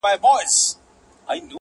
چا حاصلي مرتبې کړې چاته نوم د سړي پاته,